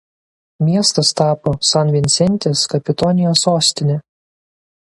Miestas tapo San Vinsentės kapitonijos sostine.